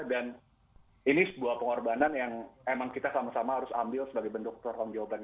dan ini sebuah pengorbanan yang memang kita sama sama harus ambil sebagai bentuk pertolong jawaban kita